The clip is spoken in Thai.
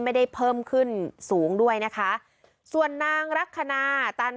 ไม่ได้เพิ่มขึ้นสูงด้วยนะคะส่วนนางลักษณะตัน